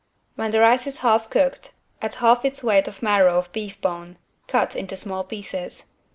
When the rice is half cooked add half its weight of marrow of beef bone, cut into small pieces.